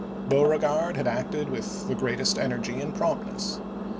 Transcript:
Beauregard had acted with the greatest energy and promptness.